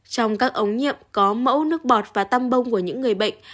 trong các ống nhiệm có mẫu nước bọt và tăm bông của những người bệnh